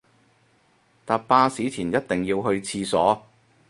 搭巴士前一定要去廁所